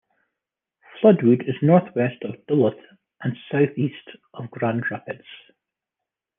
Floodwood is northwest of Duluth and southeast of Grand Rapids.